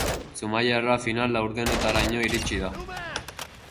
Zumaiarra final laurdenetaraino iritsi da.